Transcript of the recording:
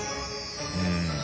うん。